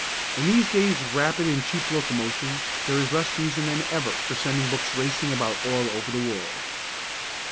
In these days of rapid and cheap locomotion, there is less reason than ever for sending books racing about all over the world.